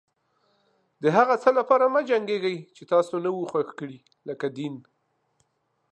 د هغه څه لپاره مه جنګيږئ چې تاسې نه و خوښ کړي لکه دين.